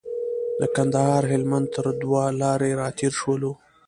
د کندهار هلمند تر دوه لارې راتېر شولو.